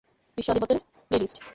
বিশ্ব আধিপত্যের প্লেলিস্ট।